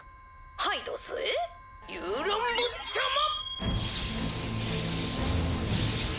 はいどすえユウラン坊ちゃま。